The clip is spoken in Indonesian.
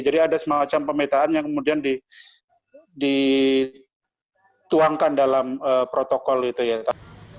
jadi ada semacam pemetaan yang kemudian dituangkan dalam protokol itu ya